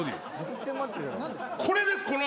これですこの。